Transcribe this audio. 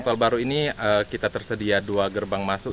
tol baru ini kita tersedia dua gerbang masuk